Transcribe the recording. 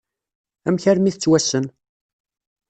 Amek armi tettwassen?